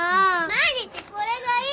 毎日これがいい！